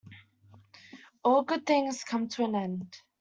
All good things come to an end.